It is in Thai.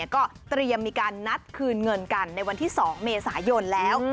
ก็เตรียมมีการนัดคืนเงินกันในวันที่๒เมษายนแล้ว